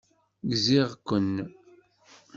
Gziɣ-ken.